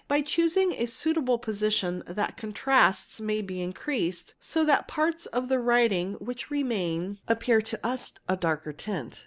By choosing a suitable position the contrasts may be increased, so that the parts of the writing which remain appear to us with a darker tint.